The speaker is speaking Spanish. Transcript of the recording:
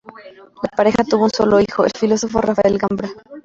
La pareja tuvo un solo hijo, el filósofo Rafael Gambra.